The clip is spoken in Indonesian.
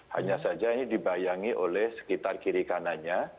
hanya saja ini dibayangi oleh sekitar kiri kanannya